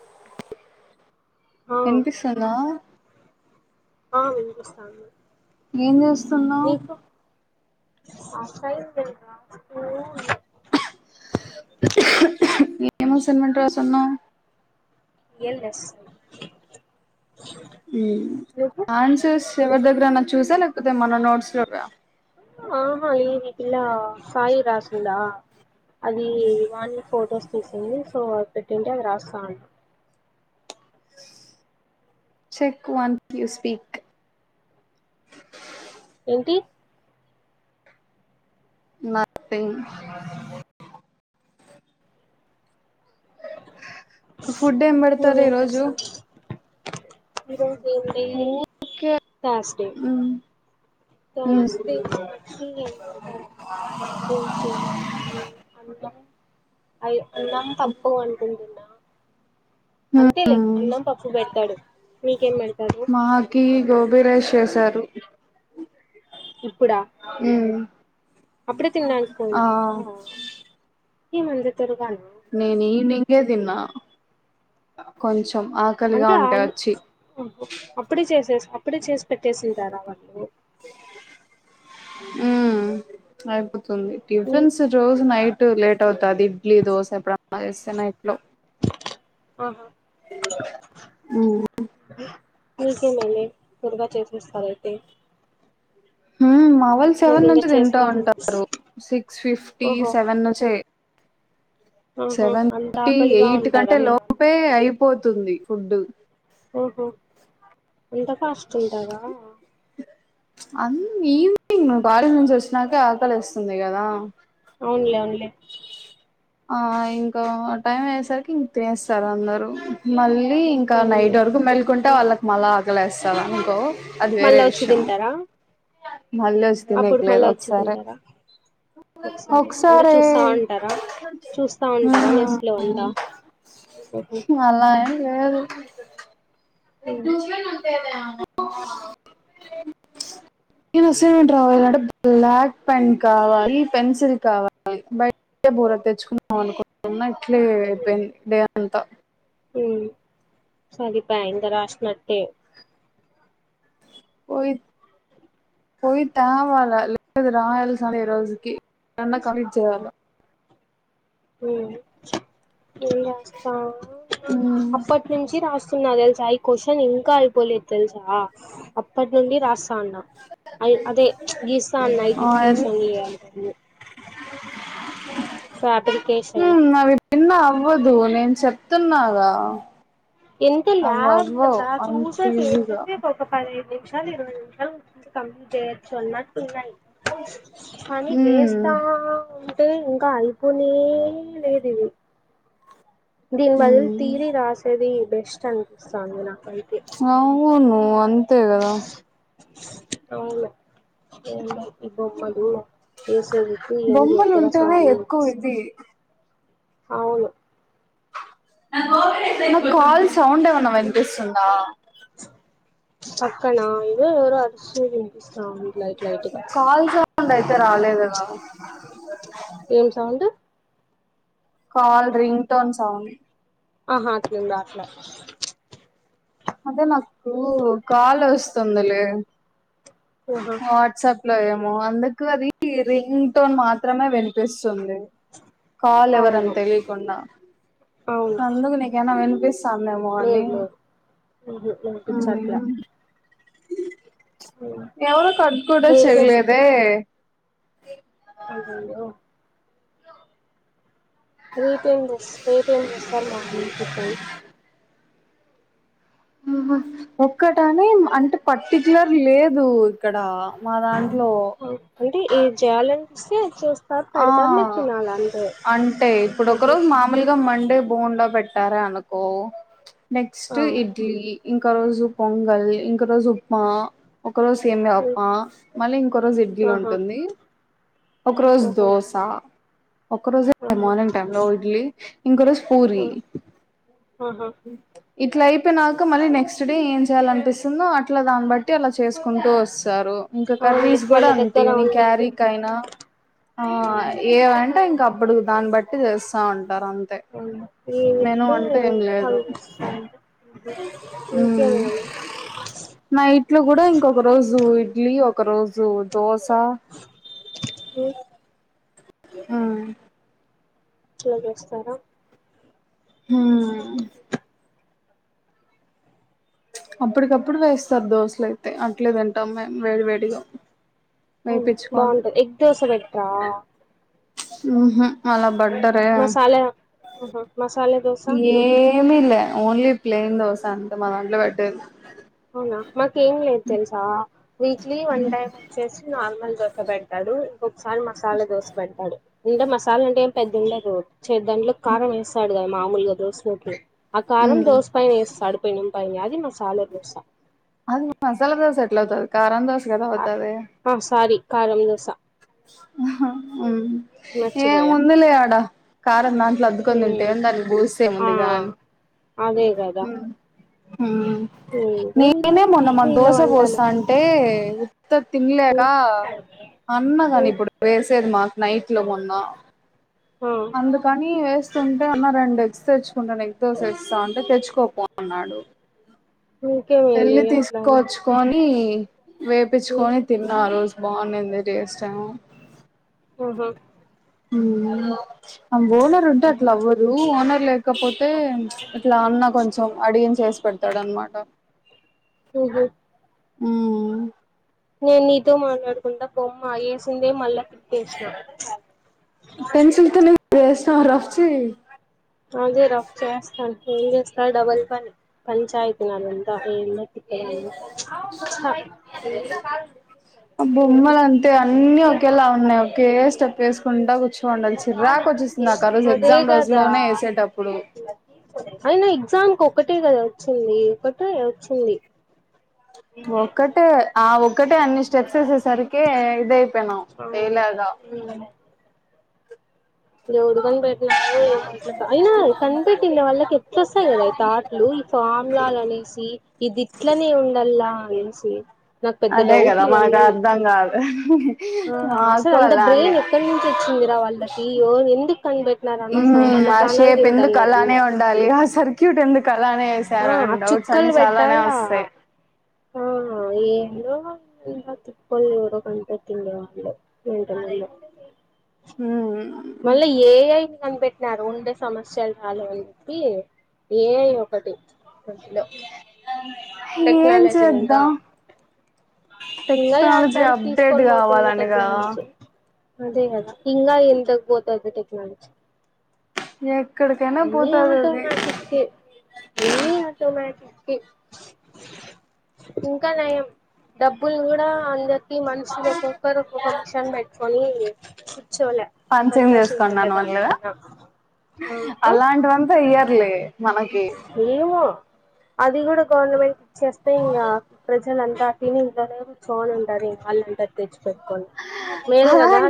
ఆ ఆ వినిపిస్తుందా ఆ వినిపిస్తంది ఏం చేస్తునవ్ [inaudible] ఏమ అసైన్మెంట్ రాస్తునవ్ ఏంచేస్తునవ్ హుమ్ ఆన్సర్స్ ఎవరి దగ్గర న చూసా మన నోడుసులో ర ఆహా ఈది పిల్లా సాయి రాసిందా అది వాళ ఫొటోస్ తీసింది సో అది పెట్టింటే అవి రాస్తాం చెక్ వన్ట్ యూ స్పీక్ ఏంటి నథింగ్ ఒకే ఫుడ్ ఏం పెడతారు ఈ రోజు ఇరోజ జనవరి ఓకే థాస్ డే జాస్తి [unintelligible] అన్నం అయి అన్నం పప్పు అనుకుంటున్నా అంతేలే అన్నం పప్పు పెడతాడు ఇంకేం పెడతాడు తారు ఇప్పుడా ఉమ్ అప్పుడే తినడానికి ఆ ఏం అంత త్వరగానా నేను ఈవినింగే తిన్నా కొంచ్ అంటే అప్పుడే చేసే ఇప్పుే చే పెతేసిధార ఉ ఆపో ది మీ టిఫిన్స్ రోజు నైట్ టు లేట్ అవు అది ఇడ్లీ దోశ ఎప్పుడు అన్నా చేస్తే ఇట్లో ఆహా మీక మళ్ని కుుర్గా చేసిస్తారయితే హ మావలు సెవెన్ ఇంకా నుంచి తింటూ చేస్తా ఉంట ఉంటారు సిక్స్ ఫిఫ్టీ ఓహో సెవెన్ నుంచి ఆహా సెవెన్ అంత థర్టీ ఆకలిగా ఎయిట్ ఉంటారా కంటే మీ వాళ్ళు లోపే అయి పోతుంది ఫుడ్ ఓహ ఎంత కాస్ట్ ఉంటగా అ ఈవినింగ్ నువ్వు కార్ం నుంచి వచ్చినాకే ఆకలి వస్తుంది కదా ఉన్లే ఉలే ఆ ఇంకా టైం వయ్యేసరికి ఇంక తినస్తారు అందరు మళ్ళీ ఇంకా నైట్ అవునులే వరకు మెల్కుంటే ఉమ్. వాళ్ళకి మళ్ ఆగలేస్తంది చాలనుకో మళ్ళా వచ్చి తింటారా మళ్ళీ వచ్చ అప్పుడు తినక్కలేదు మళ్ళా వచ్చి ఒకసారి తింటారా అంటే ఒకసారి చూస్తా ఉంటారా చూస్తా ఉంటారా మెస్ట్ లో అంతా ఉహు మాలయి ఏ ఎంచి ఉంటనే నేను అసట్ రావాలంటే బ్లాక్ పెన్ కావాలి పెన్సిల్ కావాలి బయట బుర తెచ్చుకుందాం అనుకుంటున్నా అట్లే అయిపోయింది [unintelligible] అంతా హ్మ్ సరిపోయే ఇంత రాసినట్టే పోయి పోయి తేవాల లేదు రాయాల్సిందే ఈ రోజుకి కంప్లీట్ చేయాల హ్మ్ అప్పటి నుంచి రాస్ స్తున్నా తెలుసా ఈ క్వశ్చన్ ఇంకా అయిపోలేదు తెలుసా అప్పటి నుండి రాస్ తన్నా గీస్తాన్న ఆయిల్ [unintelligible] ఫాబ్రికేషన్ నిన్న అవ్వదు నేను చెప్తున్నాగా ఎంత అవి అవ్వవు లాభంతా అంత చూసేసే ఈజీగా ఒక పదిడి నిమిషాలు ఇరవై నిమిషాలు కమ్ చేయొచ్చు అన్నన్నాయి కానీ ఉమ్ వేస్తతా అంటే ఇంకా అయిపోనే లేదు ఇవి దీన్ బదిలు ఉమ్ తీర రాసద బెస్ట్ అంస్తాందిన అవును అంతే కదా అవును ఇవ మడు కేసేరిటు ఎం బొమ్మలు ఉక్కర ఉంటేనే స్వామి ఎక్కువ ఇది అవును నా కాల్ సౌండ్ ఏమన్నా వినిపిస్తుందా పక్కనా ఇ ఎరు అడస్ంది లైట్ లైట్గా కాల్ అయితే రాలేదుగా ఏం sound call ring tone sound ఆహా అట్ల ఉంద అట్లా అదే నాకు కాలు వస్తుందిలే ఆహా వాట్సప్ లో ఏమో అందుకు అది రింగ్ టోన్ మాత్రమే వినిపిస్తు తుంది కాల్ అవును ఎవరని తెలియకుండా అవును అందుకు నీకేమైనా వినిపిస్తోందా ఏమో అని లేదు లేదు వినిపించట్లా మ్మ్ ఎవరు కట్ కూడా రేపే చెయలేదే అయ్యయ్యో రేపు ఏం రేప్ ఏం చేస్తారు మార్నింగ్ టిఫెన్ ఉహు ఒక్కటని అంటే పర్టిక్యలర్ లేదు ఇక్కడ మా దాం అంటే ఏం చేయాలని వస్తే చూస్తా ఆ అంటే ఆహా ఇప్పుడోకరోజు మామూలుగా మండే బొండా పెట్టారే అనకో నెక్స్ట్ ఆ ఇడ్లీ ఇంకో రోజు పొంగల్ ఇంకో రోజు ఉప్మా ఒక రోజు సేమ్యా ఉ ఉప్మా మళ్ళీ ఇంకో రోజు ఇడ్లీ ఆహా ఉంటుంది ఒక రోజు ఓహో దోసా ఒక్క రోజె ఆహా మార్నింగ్ టైమ్ లో ఇడ్లీ ఇంకో రోజు పూరి ఆ ఆహా ఇట్లా అయిపోయి నాక మళ్ళీ నెక్స్ట్ డే ఏం చేయాల అనిపిస్తుందో అట్లా దాన్ని బట్టి అలా చేసుకుంటూ తారు ఇంకా అవునులే కర్రీస్ వాళ్ళ కూడా అంతే దగ్గర ఈవెన్ ఉండే క్యారీకైనా ఆ ఏవంట ఇం అప్పుడు దాన్ని బట్టి చేస్తా ఉంటంది ఉంటారు అంతే మెను ఏమంటే అంటే ఏం లేదు అవి చేస్తా అంటే ఉహు. హామ్ ఇంకేమైనా నా ఇంట్లో కూడా ఇంకొక రోజు ఇడ్లీ ఒక రోజు దోస ఆ ఉ ఆ ఇట్లా చేస్తారా ఆ హ్మ్ అప్పటికప్పుడు వేస్తారు దోశలు అయితే అట్లేదంతే మే వేపిచ్చుకొని బాగుంటది ఎగ్ దోశ పెట్రా ఉహు మళ బడ్డరే ఓహా మసాలా దోస ఏమల్ ఓన్లీ ప్లేయిన్ దోస అంతంట మాంల వె అవునా మాక ఏం లేదు తెలుసా వీక్లీ వన్ టై వచ్చేసి నార్మల్ తొక్క పెడ్తాడు ఒకసారి మసాలా దోసె పెడతాడు అంటే మసాలా అంటే ఏం పెద్ద ఉండదు చ్చే దాంట్లో కారం వేస్తాడు కదా మామూలుగా దోసు లోకి ఆ కారం దోశ పైనేస్తాడు పెనుం పై అది మసాలా దోస అది మసాలా దోసె ఎట్లవుతుంది కారం దోస్ సు గదా ఔతాది ఆ సారీ కారం దోస అం మర్చిపోయా ఏముందిలే ఆడ కారం నాన్ ట్లద్దుకొని తింటే మ్మ్ ఏం దాన్ని బూస్తే ఆ ఏముందిగాన్ అదే కదా ఉమ్ ఊ ఏందో వీళ్ళు మేమే మొన్న మాక్ వీళ్ళ దోశ వంటలు పోస్తా ఉంటే త తినలేక మ్మ్ అన్న కానీ మ్మ్ ఇప్పుడు వేసేది మాకు నైట్ లో మొన్న ఆ అందు కానీ వేస్ ఉంటే ఉన్న రెండి ఎక్స్ ఎగ్ దోస వేస్తుంటే తెచ్చు కోపోన్నాడు ఇంకేమేలే వేళ్లి అట్లానా తీసుకోవచ్చుకని మ్మ్ వేయిచ్చుకొని తిన్నా ఆరోజు బాగుండంది టేస్ట్ ఆహా అ ఓనర్ ఉంటే అట్లా అవ్వదు ఓనర్ లేకపోతే ఇట్లా అన్న కొంచెం అడిగిన చేసి పెడతాడ అనమాట హహ అ నేను నీతో మాట్లాడుకుంటా బొమ్మ వేసిందే మళ్ళా తిప్పేసిన పెన్సిల్తో వేస్నావ్ రఫ్ చేయి అదే రఫ్ చేస్తాను ఏం చేస్తా డబల్ పని పంచాయతీ అంత ఏందో తిక్కదని చా బొమ్మలు అంతే అన్ని ఒకేలా చూడాలి చిర్రాకు వచ్చేస్తుందిక ఆ రోజు ఎగ్జామ్ రోజు కదా లోనే వేసేటప్పుడు అయినా ఎగ్జామ్ కి ఒకటే కదా వచ్చింది ఒకటే వచ్చింది ఒక్కటే ఆ ఒక్కటే అన్ని స్టెప్స్ వేసేసరికి ఇదయిపోయినాం అవును వేయలాగా ఎవడు కనిపెట్నాడో అయినా కనిపెట్టిండే వాళ్ళకి ఎట్లా వస్తాయి కదా ఈ తాట్లు ఈ ఫామ్లాలు అనేసి ఇదిట్లనే ఉండల్లా సి అదే కదా మాకు అర్ధం కాదు హ ఆ అసలు అంత బ్రెయిన్ ఎక్కన్నుంచి వచ్చిందిరా వాళ్ళకి ఎవ ఎందుకు కనిపెట్టినార అనవసరంగా మ్మ్ మన ఆ ప్రాణాలు షేప్ తింటన్నారు కరానే ఆ ఏసారా ఆ అండ్ డౌట్స్ అన్ని చుక్కలు చాలానే పెట్టాలా వస్తాయి ఆ ఏందో అంత తిక్కొల్లు ఎవరో కనపెట్టిండేవొళ్ళు మెంటలొల్లు హ్మ్ మళ్ళా ఏ ఐ కనిపెట్టినారు ఉండే సమస్యలు చాలువని ప్పి ఏ ఐ ఒకటి [unintelligible] [unintelligible] ఏం టెక్నాలజీని ఇంకా చేద్దాం ఇంకా టెక్నాలజీ యాడికాడికి అప్డేట్ తీసుకొని పోతుందో కావాలనిగా టెక్నాలజీ అదే కదా ఇంగా ఎంతకు పోతాదో టెక్నాలజీ ఎక్కడికైనా అన్నీ పోతది అది ఆటోమాటిక్ అన్నీ ఆటోమా ఇంకా నయం డబ్ బ్బులు గూడా అంద మనుషులు ఒక్కొక్కరు ఒక్కొక్క మిషన్ పెట్టుకొని కూర్చోలే పరిచయం సంతోషించాల చేసుకున్నాను మల్లగా దానికన్నా ఆ అలాంటివంతా ఇ లే ఏమో అది గూడా గవర్నమెం చేస్తే ఇ యా ప్రజ అంతటిని ఇేరు చూను ఉంటారు వాళ్ళంట [inaudible]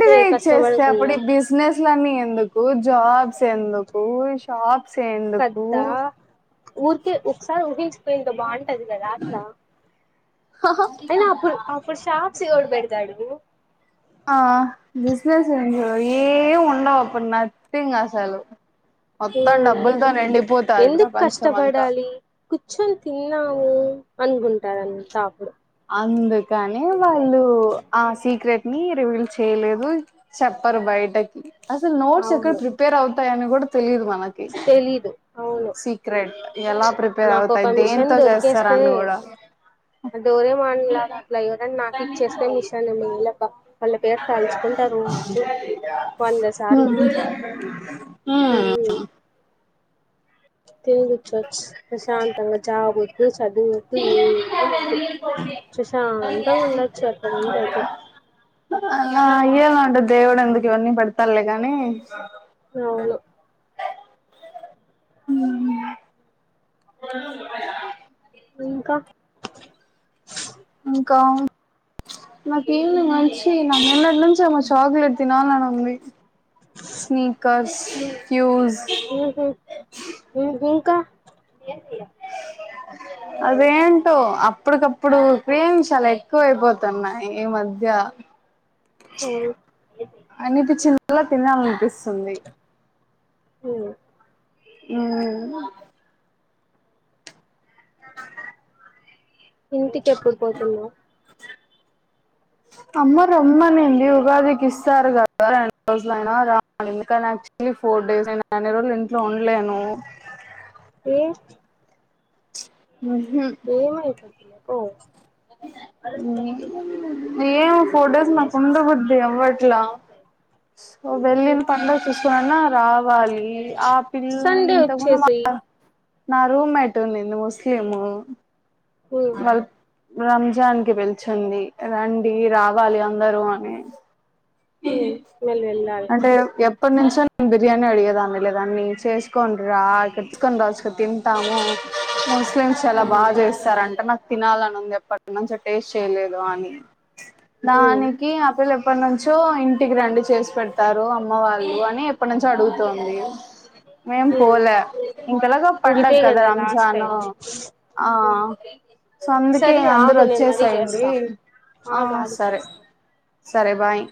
అదే ఇచ్చేస్తే అప్పుడు కష్టపడకుండా ఈ బిజినెస్ల అన్నీ ఎందుకు జాబ్ ఎందుకు షాప్ సెందుకు కదా ఊరికే ఒకసారి ఊహించుకో ఇంత బాం టది కదా అట్లా అయినా అప్పుడు అప్పుడు షాప్స్ ఎవడు బెడతాడు ఆ బిజినెస్ ఏం ఉండవు అప్పుడు నథింగ్ అసలు మొత్తం డబ్బులతో నిండిపోతాది ఎందుకు ప్రపంచం అంతా కష్టపడాలి కూర్చొని తిన్నా రూ అనుకుంటారంతా అప్పుడు అందుకని వాళ్ళు ఆ సీక్రెట్ నీ రివీల్ చేయలేదు చెప్పరు బయటకి అసలు నోట్స్ ఎక్కడ అవును ప్రిపేర్ అవు ఉంటాయని కూడా తెలీదు మాక్ మాకి తెలీదు అవును నాకు అవుతాయి ఒక మిషన్ దేంతో దొరికేస్తే చేస్తారని కూడా డోరేమాన్ లాగా అట్లా ఎవరన్నా నాకు ఇచ్చేస్తే మిషన్ మీళ బ హు వంద సార్లు హు తినిగుర్చోవచ్చు ప్రశాంత జాబ్ ఒద్దు చ్ చదువు వద్దు ఏమి వద్దు ప్రశాంతంగా ఉండచ్చు అట్లా గనక అయితే అయ్యవంటే దేవుడు ఎందుకు ఇవన్నీ పెడతాడులే కాని అవును హు ఇంకా కా నాకు ఈవీనింగ్ మంచి నాకు నినటినుంచి మ చాక్లెట్ తినాలని ఉంది స్నికర్స్ ఫ్యూజ్ ఏ అదేంటో అప్పుడికప్ ఇప్పుడు క్రీమ్స్ చాన ఎక్కువ అయిపోతున్నాయి ఈ మధ్య అనిపిచ్చిద్ లా తినాలనిపిస్తుంది హు హు మ్ అ ఇంటికి ఎప్పుడు పోతున్నావు అమ్మ రమ్మనింది ఉగాదికి ఇస్తారు కదా రెండు రోజులయినా రా అనింది కానీ యాక్చువలీ ఫోర్ డేస్ నేను అన్ని రోలు ఇంట్లో ఉండలేను ఏ మ్మ్ హు ఓ హు ఏవో ఫోర్ డేస్ నాకు ఉండబుద్ది అవ్వట్లా సో వెళ్ళిన పండకి ఇస్ సన రావాలి ఆ పిల్లని సండే ఇంతకుముందు వచ్చేసేయ్ మ నా రూమ్మెట్ ఉందింది ముస్లిము హ రంజాన్ కి పిలిచింది రండి రావాలి అందరూ అని మళ్ళీ వెళ్ళాలినా అంటే ఎ ఇప్పటినుంచో నేను బిర్యానీ అడిగేదాన్ని లేదాన్నిీ చేసుకని రా కట్తుుకొని రాసుకు తింటాము ముస్లిమ్స్ చాలా బాగా అవునులే చేస్తారంట నాకు తినాలనింది ఎప్పటి నుంచి టేస్ట్ చేయలేదు అని ఇంక దానికి ఆపిల్ ఎప్పటి నుంచి ఇంటికి రండు చేసి పెడతారు అమ్మ వాళ్ళు అని ఎప్పటి నుంచో అడుగుతుంది మేం పోలే ఇంకెలాగ పంండగ ఇదే కదా లాస్ట్ రంజాన్ టైం ఆ సో అందుకే సర్లే అందరు ఆగు నేను మరీ వచ్చేసాయండి చేస్తా ఆ ఆగు ఆగు సరే చేస్తా సరే బాయ్